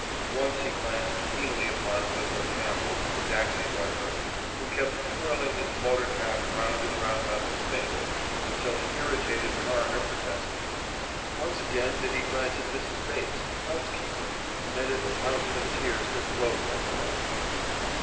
Once he glanced keenly upon William Campbell, the taxicab driver, who kept twirling his motor cap round and round on his finger until an irritated coroner protested; once again did he glance at Mrs. Bates, housekeeper, and at the fountain of tears that flowed from her eyes.